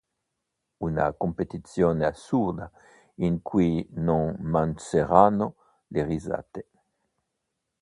Una competizione assurda in cui non mancheranno le risate.